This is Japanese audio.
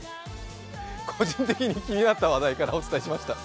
個人的に気になった話題からお伝えしました。